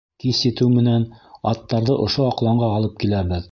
Кис етеү менән, аттарҙы ошо аҡланға алып киләбеҙ.